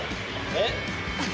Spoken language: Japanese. えっ？